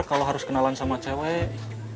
kalau harus kenalan sama cewek